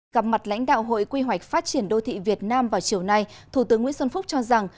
gặp mặt lãnh đạo hội quy hoạch phát triển đô thị việt nam vào chiều nay thủ tướng nguyễn xuân phúc cho rằng